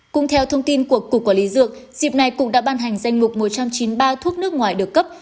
cũng theo thông tin của cục quản lý dược dịp này cục đã ban hành danh mục một trăm chín mươi ba thuốc nước ngoài được cấp